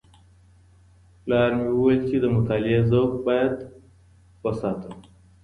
پلار مي وويل چي د مطالعې ذوق بايد وساتم.